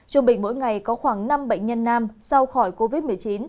trung bình mỗi ngày có khoảng năm bệnh nhân nam sau khỏi covid một mươi chín